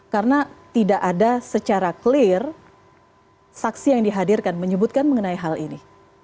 karena tidak ada secara clear saksi yang dihadirkan menyebutkan mengenai hal ini